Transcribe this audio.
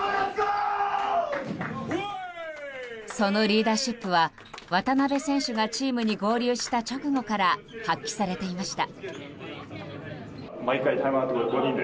そのリーダーシップは渡邊選手がチームに合流した直後から発揮されていました。